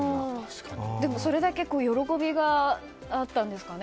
でも、それだけ喜びがあったんですかね。